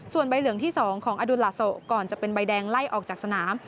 ส่วนใบเหลืองที่๒ของอดุลลาโซก่อนจะเป็นใบแดงไล่ออกจากสนาม